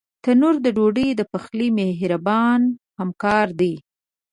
تنور د ډوډۍ د پخلي مهربان همکار دی